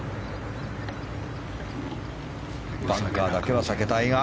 バンカーだけは避けたいが。